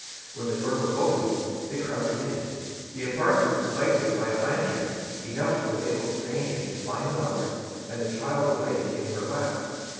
When the door was opened, they crowded in. The apartment was lighted by a lantern enough to enable the strangers to find the mother, and the child awake in her lap.